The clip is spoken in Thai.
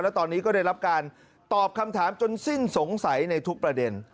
และตอนนี้ก็ได้รับการตอบคำถามจนสิ้นสงสัยในทุกประเด็น